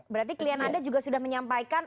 berarti klien anda juga sudah menyampaikan